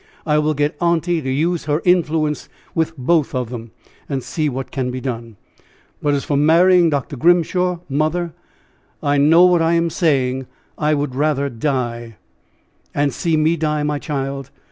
I will get aunty to use her influence with both of them, and see what can be done. But as for marrying Dr. Grimshaw, mother I know what I am saying I would rather die!" "And see me die, my child?"